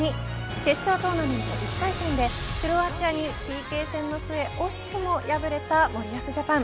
決勝トーナメント１回戦でクロアチアにＰＫ戦の末惜しくも敗れた森保ジャパン。